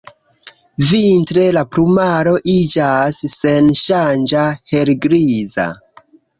Vintre la plumaro iĝas senŝanĝa helgriza.